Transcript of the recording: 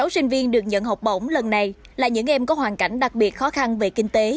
sáu sinh viên được nhận học bổng lần này là những em có hoàn cảnh đặc biệt khó khăn về kinh tế